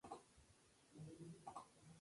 Control de presión de los neumáticos.